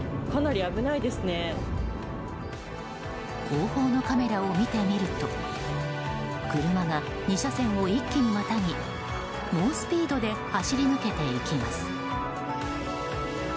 後方のカメラを見てみると車が２車線を一気にまたぎ猛スピードで走り抜けていきます。